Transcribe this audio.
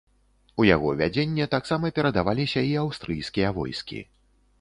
У яго вядзенне таксама перадаваліся і аўстрыйскія войскі.